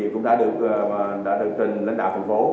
cũng đã được trình lãnh đạo thành phố